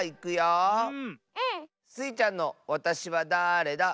うん。スイちゃんの「わたしはだれだ？」。